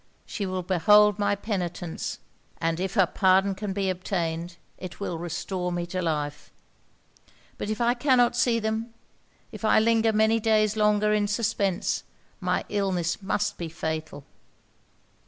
She will behold my penitence; and, if her pardon can be obtained, it will restore me to life; but if I cannot see them if I linger many days longer in suspence, my illness must be fatal!"